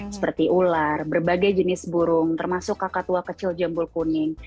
seperti ular berbagai jenis burung termasuk kakak tua kecil jambul kuning